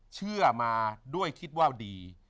เชื่อมาด้วยคิดว่าดี